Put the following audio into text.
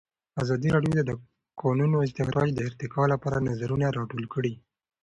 ازادي راډیو د د کانونو استخراج د ارتقا لپاره نظرونه راټول کړي.